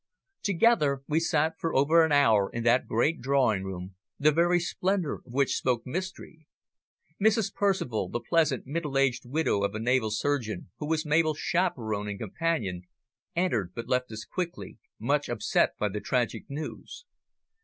Together we sat for over an hour in that great drawing room, the very splendour of which spoke mystery. Mrs. Percival, the pleasant, middle aged widow of a naval surgeon, who was Mabel's chaperon and companion, entered, but left us quickly, much upset by the tragic news.